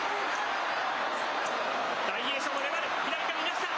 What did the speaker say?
大栄翔も粘る、左からいなした。